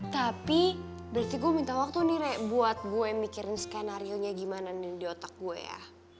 tapi berarti gue minta waktu nih rek buat gue mikirin skenario nya gimana nih di otak gue ya